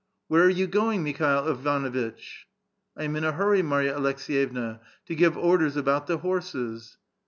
" Where are you going, Mikhail Ivanuitch? "" I am in a hurry, Marya Aleks6yevna, to give orders about the liorses."